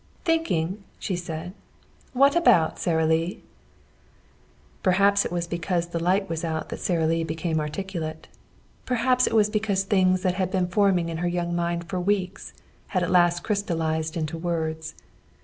"Thinking!" she said. "What about, Sara Lee?" Perhaps it was because the light was out that Sara Lee became articulate. Perhaps it was because things that had been forming in her young mind for weeks had at last crystallized into words.